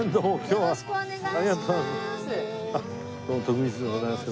今回ありがとうございます。